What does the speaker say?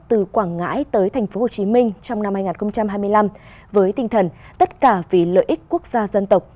từ quảng ngãi tới tp hcm trong năm hai nghìn hai mươi năm với tinh thần tất cả vì lợi ích quốc gia dân tộc